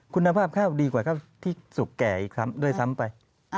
คุณภาพข้าวดีกว่าข้าวที่สุกแก่อีกครั้งด้วยซ้ำไป